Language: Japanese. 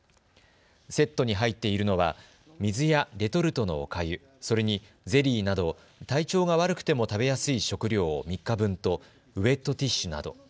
セットに入っているのは水やレトルトのおかゆ、それにゼリーなど、体調が悪くても食べやすい食料を３日分と、ウエットティッシュなど。